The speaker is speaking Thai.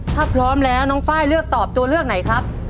ถ้าพร้อมแล้วน้องไฟล์เลือกตอบตัวเลือกไหนครับ